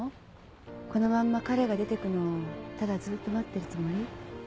このまんま彼が出てくのをただずーっと待ってるつもり？